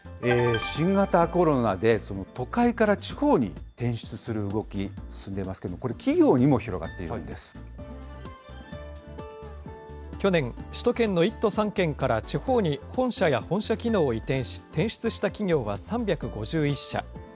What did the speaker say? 新型コロナで都会から地方に転出する動き、進んでますけれども、これ、企業にも広がっているんで去年、首都圏の１都３県から地方に本社や本社機能を移転し、転出した企業は３５１社。